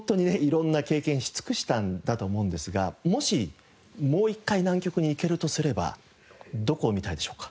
色んな経験し尽くしたんだと思うんですがもしもう一回南極に行けるとすればどこを見たいでしょうか？